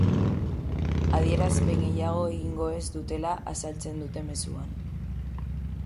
Adierazpen gehiago egingo ez dutela azaltzen dute mezuan.